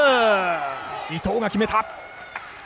伊藤が決めた。